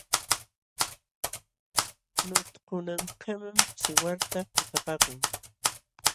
Tutallapam kamalan ninakulukaq.